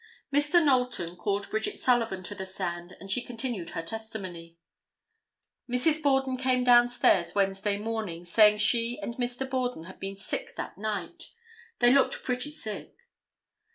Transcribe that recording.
Mr. Knowlton called Bridget Sullivan to the stand and she continued her testimony—"Mrs. Borden came down stairs Wednesday morning, saying she and Mr. Borden had been sick that night. They looked pretty sick.